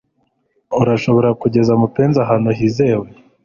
Urashobora kugeza mupenzi ahantu hizewe?